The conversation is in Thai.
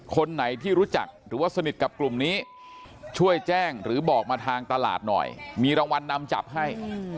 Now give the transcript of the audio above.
คนไหนที่รู้จักหรือว่าสนิทกับกลุ่มนี้ช่วยแจ้งหรือบอกมาทางตลาดหน่อยมีรางวัลนำจับให้